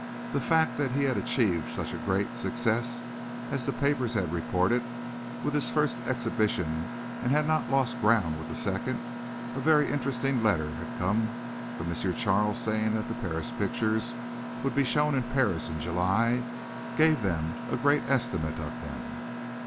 The fact that he had achieved such a great success, as the papers had reported, with his first exhibition and had not lost ground with the second a very interesting letter had come from M. Charles saying that the Paris pictures would be shown in Paris in July gave them a great estimate of him.